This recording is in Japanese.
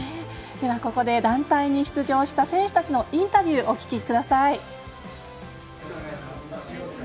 ここで団体に出場した選手たちのインタビューお聞きください。